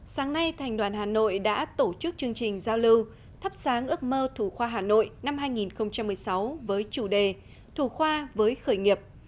sáng nay thành đoàn hà nội đã tổ chức chương trình giao lưu thắp sáng ước mơ thủ khoa hà nội năm hai nghìn một mươi sáu với chủ đề thủ khoa với khởi nghiệp